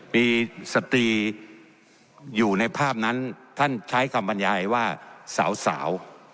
มีสตรีอยู่ในภาพนั้นท่านใช้คำบรรยายว่าสาว